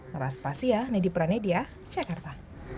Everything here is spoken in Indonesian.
meras pasia nedi pranedia jakarta